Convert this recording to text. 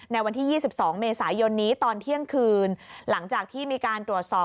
ในวันที่๒๒เมษายนนี้ตอนเที่ยงคืนหลังจากที่มีการตรวจสอบ